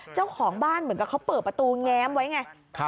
เจ้าของบ้านเหมือนกับเขาเปิดประตูแง้มไว้ไง